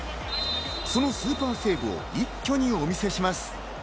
そのスーパーセーブを一挙にお見せします。